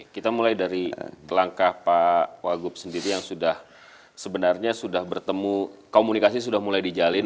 kita mulai dari langkah pak wagub sendiri yang sudah sebenarnya sudah bertemu komunikasi sudah mulai dijalin